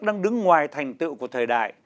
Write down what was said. đang đứng ngoài thành tựu của thời đại